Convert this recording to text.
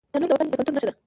تنور د وطن د کلتور نښه ده